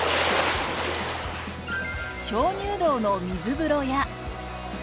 鍾乳洞の水風呂や。